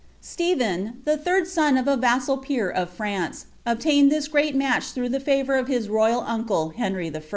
* Stephen, the third son of a vassal peer of France, obtained this gnat match through the fiivour of his royal uncle, Henry I.